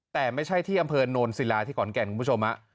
แต่ไม่ใช่ที่อำเภอโนนศิลาที่ขอนแก่นคุณผู้ชม